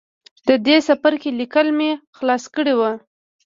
د دې څپرکي ليکل مې خلاص کړي وو